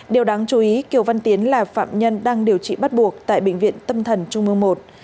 điều đáng chú ý kiều văn tiến là phạm nhân đang điều trị bắt buộc tại bệnh viện tâm thần trung ương một